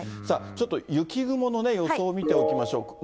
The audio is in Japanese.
さあ、ちょっと雪雲の予想を見ておきましょう。